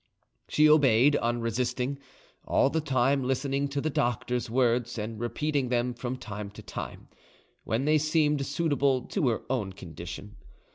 She obeyed, unresisting, all the time listening to the doctor's words and repeating them from time to time, when they seemed suitable to her own condition.